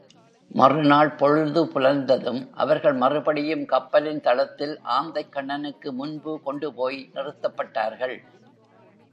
மறுநாள் பொழுது புலர்ந்ததும் அவர்கள் மறுபடியும் கப்பலின் தளத்தில் ஆந்தைக்கண்ணனுக்கு முன்பு கொண்டு போய் நிறுத்தப்பட்டார்கள்.